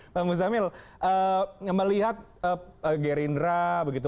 bang muzamil melihat gerindra begitu